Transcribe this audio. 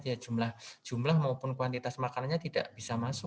ya jumlah jumlah maupun kuantitas makanannya tidak bisa masuk